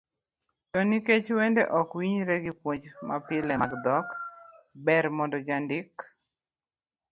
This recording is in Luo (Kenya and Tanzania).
To nikech wende ok winjre gi puonj mapile mag dhok, ber mondo jandik